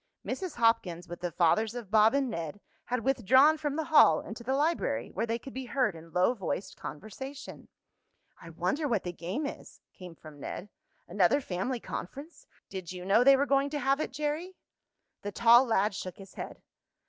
Mrs. Hopkins, with the fathers of Bob and Ned, had withdrawn from the hall into the library, where they could be heard in low voiced conversation. "I wonder what the game is," came from Ned. "Another family conference! Did you know they were going to have it, Jerry?" The tall lad shook his head.